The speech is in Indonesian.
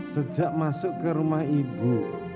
sejak masuk ke rumah ibu